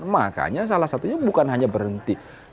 makanya salah satunya bukan hanya berhenti